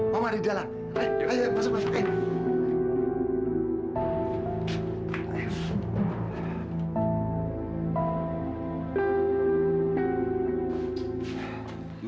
mama ada di dalam